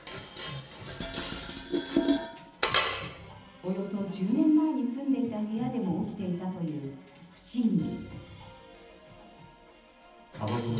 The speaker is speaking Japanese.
およそ１０年前に住んでいた部屋でも起きていたという不審火。